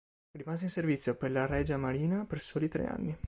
Rimase in servizio per la Regia Marina per soli tre anni.